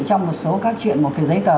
trong một số các chuyện một cái giấy tờ